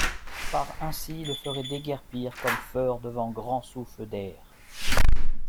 Par ainsy, le ferez desguerpir comme feurre devant grand souffle d’aër.